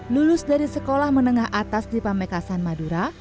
lulus dari sekolah menengah atas di pamekasan madura